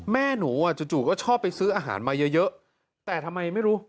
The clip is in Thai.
แม่หนูอ่ะจู่ก็ชอบไปซื้ออาหารมาเยอะแต่ทำไมไม่รู้